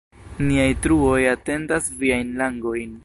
Niaj truoj atendas viajn langojn“.